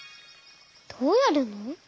どうやるの？